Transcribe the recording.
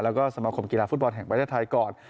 แล้วก็สมาคมกีฬาฟุตบอลแห่งประเทศไทยก่อน